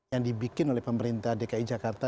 yang dibikin oleh pemerintah dki jakarta